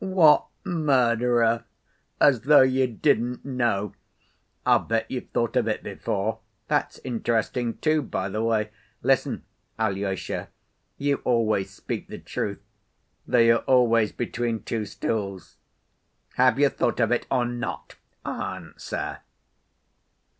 "What murderer? As though you didn't know! I'll bet you've thought of it before. That's interesting, too, by the way. Listen, Alyosha, you always speak the truth, though you're always between two stools. Have you thought of it or not? Answer."